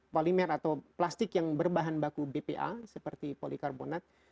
polimer atau plastik yang berbahan baku bpa seperti polikarbonat